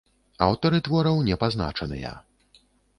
Аўтары твораў не пазначаныя.